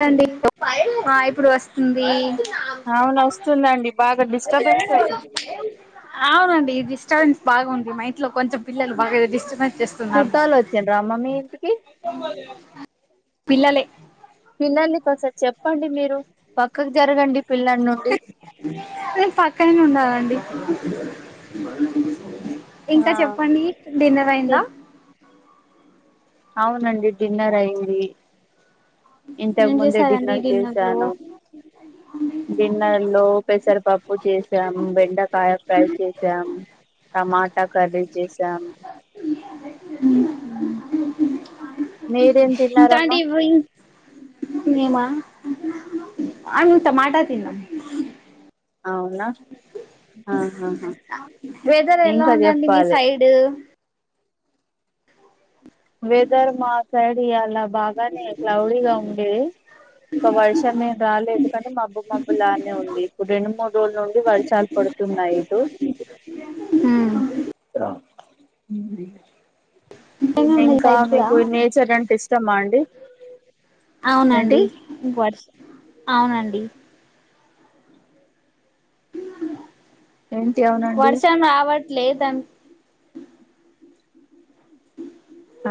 Hi అండి ఆ ఇప్పుడు వస్తుంది అవును వస్తుందండి బాగా డిస్టర్బెన్స్ వస్తుందండి. అవునండి డిస్టర్బెన్స్ బాగు ఉంది మా ఇంట్లో కొంచెం పిల్లలు బాగా డిస్టర్బెన్స్ చేస్త చుట్టాలు వచ్చిండ్ర అమ్మ మీ ఇంటికి పిల్లలే పిల్లల్నికి ఒకసారి చెప్పండి మీరు పక్కకు జరగండి పిల్లల నుండి నే పక్కనే ఉండాలండి ఆ ఇంకా చెప్పండి డిన్నర్ అయిందా అవునండి డిన్నర్ అయింది ఇంతకు ఏం ముందే డిన్నర్ చేసాను అ డిన్నర్ లో పెసరపప్పు చేసాము బెండకాయ ఫ్రై చేసాము టమాటా కర్రీ చేసాం మ్మ్ మీరేం ఇంకా తిన్నారమ్మా అండి మీమా ఆ టమాటా తిన్నాం అవునా ఆహా హా వెదర్ ఎలా ఉందండి మీ సైడ్ వెదర్ మా సైడ్ అలా బాగానే క్లౌడీగా ఉండేది ఇంకా వర్షం ఏం రాలేదు కని మబ్బు మబ్బు లానే ఉంది ఇప్పుడు రెండు మూడు రోజుల నుండి వర్షాలు కొడుతున్నాయి ఇటు రెండు ఆ ఆ మీ ఇంకా సైడ్ కూడా మీకు నేచర్ అంటే ఇష్టమా అండి ఏంటి అవునండి అవునండి ఏంటి అవునండి వర్షాం రావట్లేదన్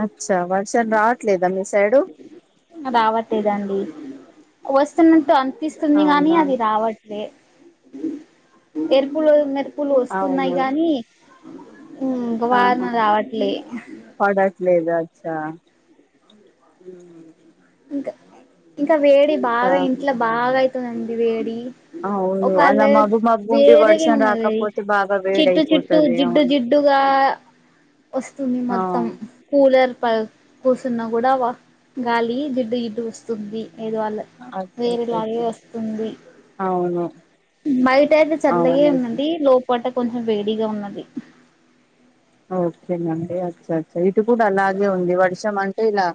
అచ్చా వర్షం రావట్లేదా మీ సైడు రావట్లేదండి వస్తున్నట్టు అనిపిస్తుంది గాని అవునా అది రావట్ లేద్ మెరుపులు మెరుపులు వస్తున్నాయి అవును కానీ ఇంక వాన రావట్లే. పడట్లేదా అచ్చా. ఇంకా ఇంకా వేడి ఇంకా బాగా ఇంట్లా బాగా అయితదండి వేడి. అవును ఒక అలా లేయర్ మబ్బు మబ్బు ఉండి వేరేవి వర్షం ఉన్నది రాకపోతే బాగా చిట్టు చిట్టు వేడయిపోతది జిడ్డు అవును జిడ్ డ్డుగా వస్తుంది మొత్తం. ఆ కూలర్ ప కూసున్నా కూడా వా గాలి జిడ్డు జిడ్డుగా వస్తుంది ఏది వాళ్ల వేరే అచ్చచ్చచ్చ లాగే వస్తుంది. అవును బయట అయితే చల్లగే అవునయితే ఉన్నది లోపట కొంచెం వేడిగా ఉన్నది. ఓకేనండి అచ్చ అచ్చా ఇటు కూడా అలాగే ఉంది వర్షం అంటే ఇలా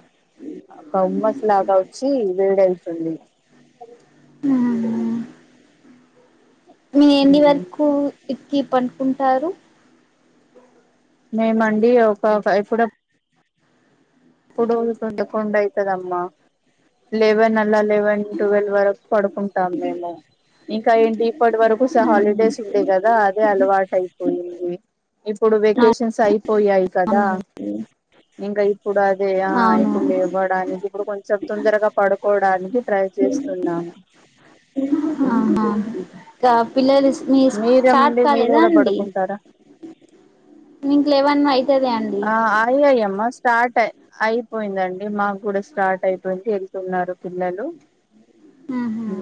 కమ్మస్లాగా వచ్చి వేడవుతుంది. హ్ మీరు ఎన్ని ఉమ్ వరకు ఇక్కి పండుకుంటారు. మేముండి ఒక ఫై ఇప్పుడు పొడువు చూస్తూంటే పదకొండు అయితదమ్మా లెవన్ ఇల్లా లెవెన్ ట్వెల్వ్ వరకు పడుకుంటాం మేము. ఇంకా ఏంటి ఇప్పటి వరకు స హాలిడేస్ ఉండే కదా అదే అలవాటు అయిపోయింది. ఇప్పుడు వెకేషన్స్ అయిపోయాయి కదా అవునండి ఇంకా ఇప్పుడు అదే ఆ అవును ఇప్పుడు లేవు. ఇవ్వడానికి ఇప్పుడు కొంచెం తొందరగా పడుకోడానికి ట్రై చేస్తున్నాము. ఆహా ఇంకా పిల్లలు మీ స్టార్ట్ మీరండి మీరు కాలేదా కూడా అండి. పడుకుంటారా మీకు లెవన్ అయితది అండి. అయ్యాయి అమ్మా స్టార్ట్ అ అయిపోయిందండి మాకు కూడా స్టార్ట్ అయితుంది ఎళ్తున్నారు. పిల్లలు ఆహా హ్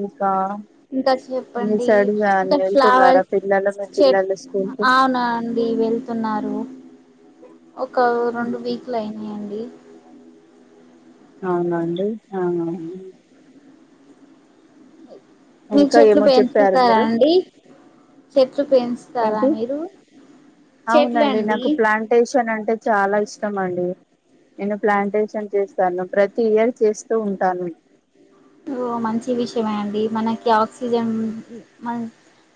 ఇంకా ఇంకా మీ చెప్పండి సైడ్ ఇంకా వెళ్తున్నారా ఫ్లావర్స్ పిల్లలు మీ చెప్ పిల్లలు స్కూల్ కి అవునా అండి వెళ్తున్నారు. ఒక రెండు వీక్లు అయినయండి. అవునాండి ఆహా. మీరు ఇంకా చెట్లు ఏమో చెప్పారు పెంచుతరా మీరు అండి చెట్లు పెంచ్ తరా ఏంటి మీరు చెట్లండి. టేషన్ అంటే చాలా ఇష్టం అండి. నేను ప్లాంటేషన్ చేస్తాను, ప్రతి ఇయర్ చేస్తూ ఉంటాను. ఓ మంచి విషయమే అండి, మనకి ఆక్సిజన్ మ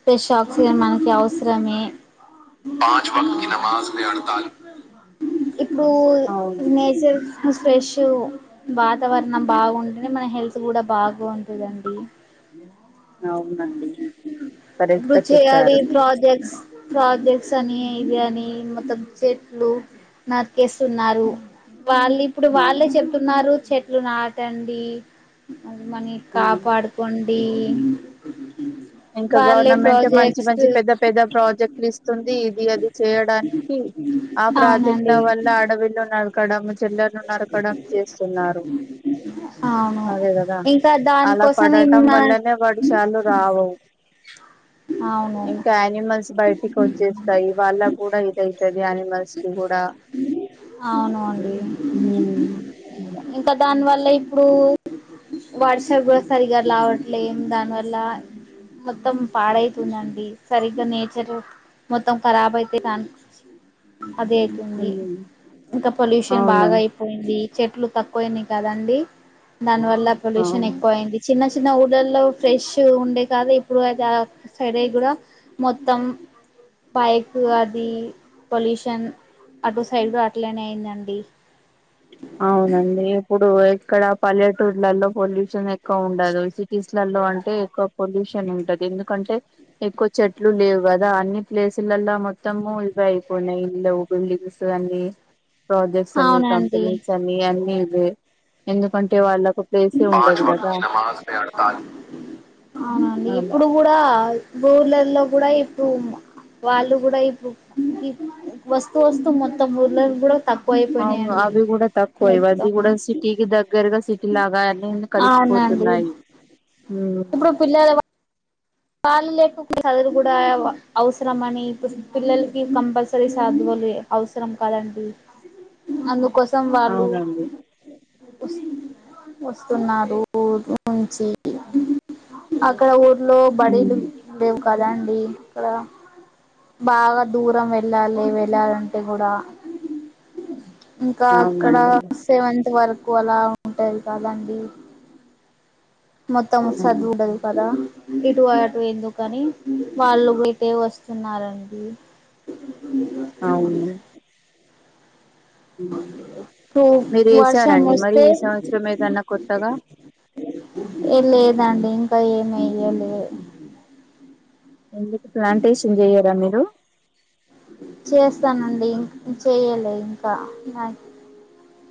ఫ్రెష్ ఆక్సిజన్ మనకి అవసరమే. హ్ ఇప్పుడు అవును నేచర్ ఫ్రెష్ వాతావరణం బావుంటనే మన హెల్త్ కూడా బాగుంటదండి. అవునండి కరెక్ట్ ఇప్పుడు గా చేయాలి చెప్పారు మీరు ప్రాజెక్ట్స్. ప్రాజెక్ట్స్ అని ఇవి అని మొత్తం చెట్లు నరికేస్తున్నారు. వాళ్ళు ఇప్పుడు అవును వాళ్ళే చెప్తున్నారు చెట్లు నాటండి. అది మని అవును. కాపాడుకోండి. ఇంక వాళ్ళే గవర్నమెంట్ మంచి ప్రాజెక్ట్స్ మంచి పెద్ద పెద్ద ప్రాజెక్టులు ఇస్తుంది ఇది అది చేయడానికి ఆ ప్రాజెక్టులు అవునండి వల్ల అడవిలో నడ కడమ్ చెల్లర నర కడమ్ చేస్తున్నారు అవును అదే కదా ఇంకా అలా దానికోసం పడటం ఏమన్నా వల్లనే వర్షాలు రావు అవును ఇంకా యానిమల్స్ బయటికి వచ్చేస్తాయి వాళ్ళ కూడా ఇదైతుది యానిమల్స్ కి కూడా అవును అండి హుమ్ ఇంకా దాని వల్ల ఇప్పుడు వర్షం కూడా సరిగా రావట్లేం దాని వల్ల మొత్తం పాడైతుందండి సరిగ్గా నేచర్ మొత్తం కరాబ్ అయితే కాని అదే అయితుంది ఉమ్ ఇంకా పొల్యూషన్ అవునా బాగా అయిపో పోయింది చెట్లు తక్కువయినియి కదండి దాని వల్ల పొల్యూషన్ అవును ఎక్కువ అయింది చిన్న చిన్న ఊళ్ళల్లో ఫ్రెష్ ఉండే కాదు ఇప్పుడు అడ సరే కూడా మొత్తం బైక్ అది పొల్యూషన్ అటు సైడ్ అట్లనే అయిందండి అవునండి ఇప్పుడు ఇక్కడ పల్లెటూర్లలో పొల్యూషన్ ఎక్కువ ఉండదు స్లలో అంటే ఎక్కువ పొల్యూషన్ ఉంటది ఎందుకంటే ఎక్కువ చెట్లు లేవు కదా అన్ని ప్లేసులలో మొత్తము ఇవే అయిపోయినాయి ఇల్లు బిల్డింగ్స్ అన్ని ప్రాజెక్ట్స్ అని అవునండి కంపెనీస్ అని అన్ని ఇవే ఎందుకంటే వాళ్ళ అవునాండి అలా ఎప్పుడు కూడా బోర్లలలో కూడా ఇప్పుడు వాళ్ళు కూడా ఇప్పుడు వస్తు వస్తు మొత్తం బోర్లకి కూడా తక్కు అవు అవి కూడా తక్కువ ఇవన్నీ కూడా సిటీకి దగ్ దగ్గరగా సిటీ లాగా అన్ని ఇన్ని అవునండి కలిసిపోతున్నాయి కాళ్ళు లేకుండే చదువులు కూడా అవసరం అని ఇప్పుడు పిల్లలకి కంపల్సరీ చదువులు అవసరం కదండి అందుకోసం వాళ్ళు అవునండి వస్తున్నారు ఊరు నుంచి అక్కడ ఊర్లో బడీలు ఉమ్, లేవు కదా అండి ఇక్కడ బాగా దూరం వెళ్ళాలి వెళ్ళాలంటే కూడా ఇంకా అక్కడ అవునండి సెవెంత్ వరకు అలా ఉంటయి కదండి మొత్తం చదువు లే కదా ఇటుఅటు ఎందుకని వాళ్ళు ఇటే వస్తున్నారండి అవును మీరు వర్షం వేసారండి మరి వస్తే ఈ సంవత్సరం ఏదన్నా కొత్తగా ఏం లేదండి ఇంకా ఏమి ఎయ్యలే ఎందుకు ప్లాంటేషన్ చెయ్యార మీరు చేస్తానండి ఇం చేయ్యాల ఇంకా నా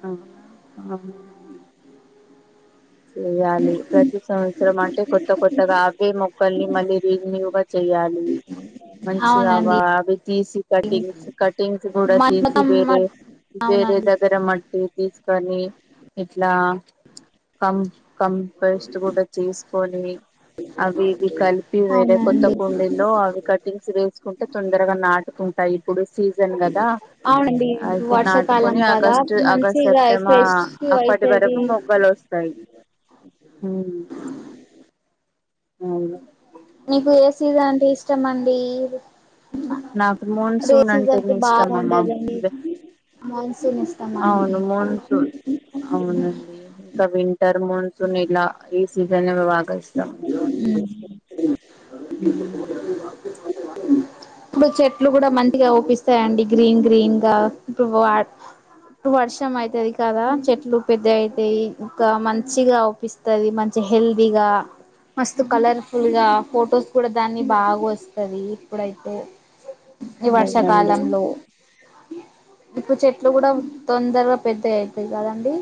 అవునా అవు చేయాలి ప్రతి సంవత్సరం అంటే కొత్త కొత్తగా అవే మొక్కల్ని మళ్ళీ రీన్యుగా చెయ్యాలి మంచిగా అవా అవునండి అవి తీసి కటింగ్స్ కటింగ్స్ కూడా తీసి మొత్తం వేరే వేరే అవునండి దగ్గర మట్టి తీసుకొని ఇట్లా కం కంపస్ట్ గూడా చేసుకొని అవి ఇది కలిపి వేరే కొత్త అవునండి కుండీల్లో అవి కటింగ్స్ వేసుకుంటే తొందరగా నాటు కుంటాయ్ ఇప్పుడు సీజన్ గదా అవునండి అయితే వర్షాకాలం నాటుకొని కదా ఆగస్ట్ ఆగస్ మంచిగా సెప్టెమా ఫ్రెష్ అప్పటి వరకు అయితది మొగ్గల్ ఒస్తాయ్ ఊమ్ అవును నీకు ఏసీజ్ అంటే ఇస్ ష్టమండి నాకు మోన్సూన్ రేసీజయితే అంటేనే ఇష్టం అమ్మా బాగుండదండి మాన్సూన్ ఇస్తామండి అవును నీకు మోన్సూన్ అవునండి ఇంక వింటర్ మాన్సూన్ ఇలా ఈ సీజనల్ వాక ఉమ్ ఉహు మ్ ఇప్పుడు చెట్లు గూడా మంటిగ ఔపిస్తాయాండి గ్రీన్ గ్రీన్ గా ఇప్పు వా టు వర్షం అయితది కదా చెట్లు పెద్ద అయితయి ఇంకా మంచిగా ఔపిస్ తది మంచి హెల్తీగా మస్తు కలర్ఫుల్ గా ఫొటోస్ కూడా దాన్ని బాగొస్తది ఇప్పుడైతే ఈ అవునండి వర్షాకాలంలో ఇప్పు చెట్లు గూడా తొందరగా పెద్దగయితయి గదండి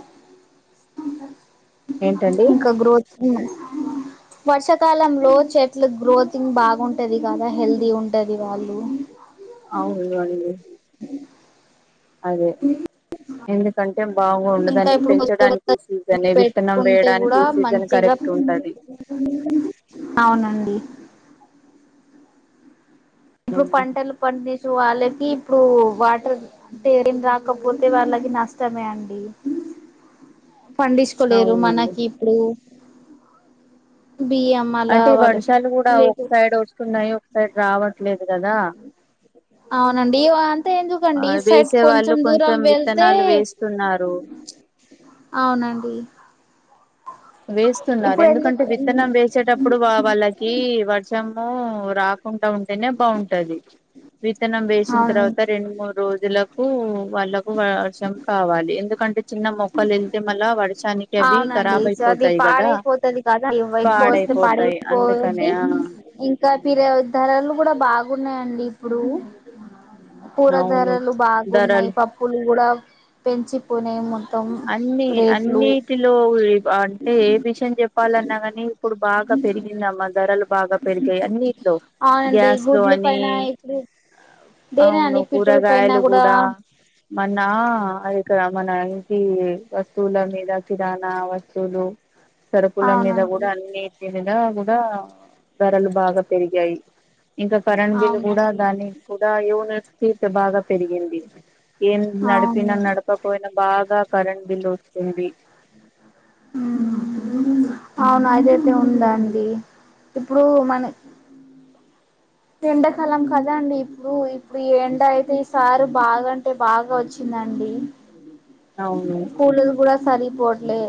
ఏంటండి ఇంక గ్రోత్ ఉమ్ వర్షాకాలంలో చెట్లు గ్రోతింగ్ బాగుంటది గదా హెల్తీ ఉంటది వాళ్ళు అవును వండి అదే ఎందుకన్ యెమ్ ఇంకా బాగుండదని ఇప్పుడు కొత్త పెంచడానికి కొత్త సీజనే విత్తనం పెట్టుకుంటే కూడా వేయడానికి సీజన్ మంచిగా కరెక్ట్ ఉంటది అవునండి ఇప్పుడు పంటలు పండీసు వాళ్ళకి ఇప్పుడు వాటర్ టేరింగ్ రాకపోతే వాళ్ళకి నష్టమే అండి ఫండిచుకోలేరు అవునండి మనకి ఇప్పుడు బియ్యం అలా అంటే ఈ వాళ్ళకి వర్షాలు గూడా ఒక లేకు సైడ్ ఒస్తున్నాయి ఒక సైడ్ రావట్లేదు గదా అవునండి ఇవాన్ ఆ తెందుకండి ఈ సైట్ వేసే కొంచెం వాళ్ళు దూరం వెళ్తే విత్తనాలు వేస్తున్నారు అవునండి వేస్తున్నార్ ఇప్పుడు ఎందుకంటే ఎందుకు విత్తనం వేసేటప్ ఇప్పుడు వా వాళ్ళకి వర్షము రాకుంట ఉంటేనే బావుంటది విత్తనం వేసిన్ అవును తర్వాత రెండు మూడ్ రోజులకు కూ వాళ్ళకు వార్షం కావాలి ఎందుకంటే చిన్న మొక్కలు యెళ్తే మళ్ళ వాడ్ శాన్ని టబీ కరాబై తది పాడైపోతది కదా ఇవ ఎకువొస్తే పాడైపోతాయి అందుకనే పాడైపోసి ఆ ఇంక్ కా పిర ధరలు గూడా బాగున్నాయండి ఇప్పుడు పూర అవును ధరలు బాగున్నాయ్ ధరలు పప్ ప్పులు గుడా పెంచిపోనేయి మొత్తం ప్రేట్లు పిలో వుయ్ అంటే ఏ విషయం చెప్పాలన్నా కానీ ఇప్పుడు బాగా పెరిగిందమ్మా ధరలు బాగా పెరిగాయి అన్నిట్లో అవునండి గ్యాస్ లో గుడ్లు అని పైన ఇప్పుడు దేనా అవును అండి పెట్రోల్ పైన కూరగాయలు కూడా గూడా మన్నా అ ఇక్కడ మన ఈ వస్తువుల మీద కిరాణా వస్తువులు సరుకుల మీద అవునండి కూడా అన్ని ఏల్లిన గూడా ధరలు బాగా పెరిగాయి ఇంకా కరెంటు బిల్ కూడా అవునండి దాని యూనిట్స్ కూడా బాగా పెరిగింది. ఏం అవును నడిపినా నడపపోయినా బాగా కరెంట్ బిల్ వస్తుంది. అ అవునా అదైతే ఉంద అండి. ఇప్పుడు మన ఎండాకాలం కదా అండి ఇప్పుడు. ఇప్పుడు ఈ ఎండ అయితే ఈ సారి బాగాంటే బాగా వచ్చిందండి. అవును కూలర్ కూడా సరిపోవట్లే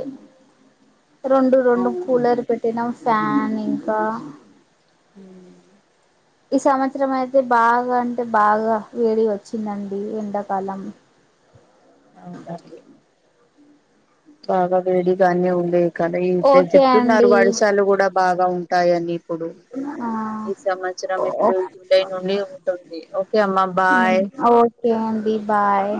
రెండు రెండు అవును కూలర్ పెట్టినా ఫ్యాన్ ఇంకా మ్ ఈ సంవత్సరం అయితే బాగా అంటే బాగా వేడి వచ్చిందండి ఎండాకాలం. అవును లాస్ట్ ది బాగా వేడిగానే ఉండేవి కదా, ఇంతే ఓకే చెప్తున్నారు అండి వర్షాలు కూడా బాగా ఉంటాయని. ఇప్పుడు ఆ ఈ సంవత్సరం ఓ ఇప్పుడు జూలై నుండి ఉంటుంది. ఓకే అమ్మా బాయ్ ఒకే అండీ బాయ్